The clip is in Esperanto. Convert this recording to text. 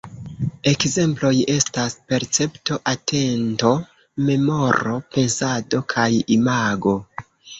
Ekzemploj estas percepto, atento, memoro, pensado kaj imago.